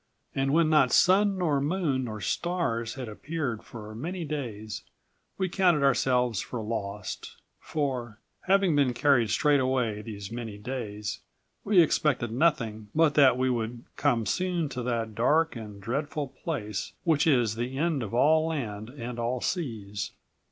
And when not sun nor moon nor stars had appeared for many days, we counted ourselves for lost; for, having been carried straight away these many days, we expected nothing but that we would come soon to that dark and dreadful place which is the end of all land and all seas."